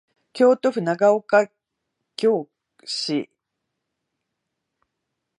京都府長岡京市